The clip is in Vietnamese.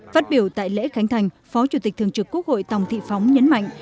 phát biểu tại lễ khánh thành phó chủ tịch thường trực quốc hội tòng thị phóng nhấn mạnh